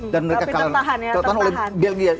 tapi tertahan ya tertahan